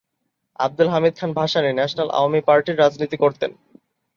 আব্দুল হামিদ খাঁন ভাসানীর ন্যাশনাল আওয়ামী পার্টির রাজনীতির করতেন।